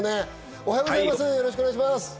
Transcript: おはようございます。